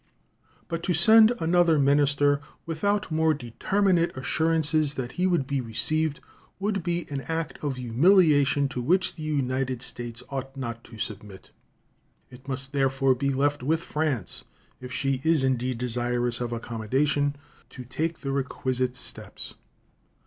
But to send another minister without more determinate assurances that he would be received would be an act of humiliation to which the United States ought not to submit. It must therefore be left with France (if she is indeed desirous of accommodation) to take the requisite steps.